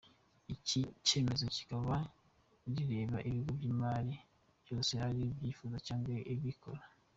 Iki cyemezo rikaba rireba Ibigo by’imari byose ari ibyafunze cyangwa ibigikora.